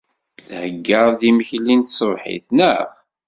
Theyyaḍ-d imekli n tṣebḥit, naɣ?